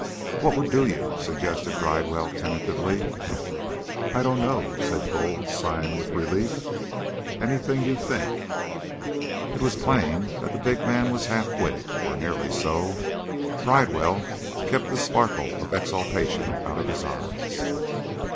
"What would do you?" suggested Bridewell tentatively. "I dunno," said Bull, sighing with relief. "Anything you think." It was plain that the big man was half witted or nearly so. Bridewell kept the sparkle of exultation out of his eyes.